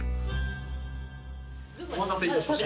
お待たせいたしました。